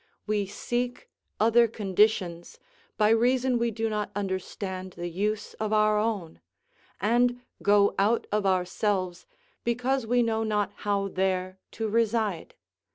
We seek other conditions, by reason we do not understand the use of our own; and go out of ourselves, because we know not how there to reside.